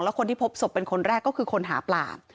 คนที่พบศพเป็นคนแรกก็คือคนหาปลา